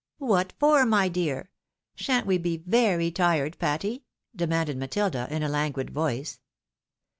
" Wtat for, my dear? Shan't we be very tired, Patty ?" demanded Matilda, in a languid voice.